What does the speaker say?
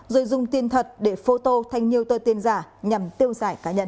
rồi dùng tiền thật để photo thành nhiều tờ tiền giả nhằm tiêu giải cá nhân